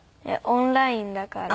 オンラインだから。